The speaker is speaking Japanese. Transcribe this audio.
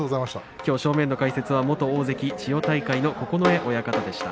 正面の解説は元大関千代大海の九重親方でした。